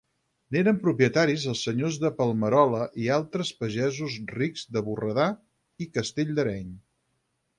N'eren propietaris els senyors de Palmerola i altres pagesos rics de Borredà i castell d'Areny.